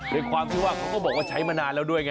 ด้วยความที่ว่าเขาก็บอกว่าใช้มานานแล้วด้วยไง